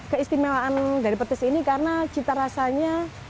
keistimewaan dari petis ini karena cita rasanya